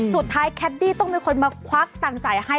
สุดท้ายแคดดี้ต้องมีคนมาควักตั้งใจให้